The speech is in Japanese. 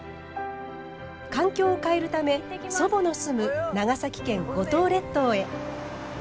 環境を変えるため祖母の住む長崎県五島列島へ。